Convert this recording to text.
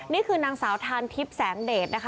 นี่คือนางสาวทานทิพย์แสงเดชนะคะ